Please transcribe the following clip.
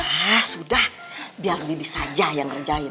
hah sudah biar lebih bisa aja yang ngerjain